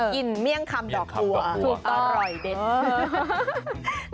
กินเมี่ยงคำดอกหัวสุดตอบร้อยเด้น